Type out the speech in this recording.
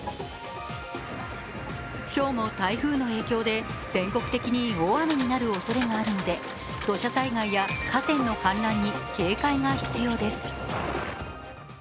今日も台風の影響で、全国的に大雨になるおそれがあるので土砂災害や河川の氾濫に警戒が必要です。